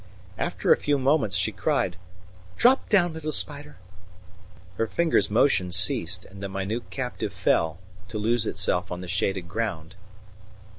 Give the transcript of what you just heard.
After a few moments she cried: "Drop down, little spider." Her finger's motion ceased, and the minute captive fell, to lose itself on the shaded ground.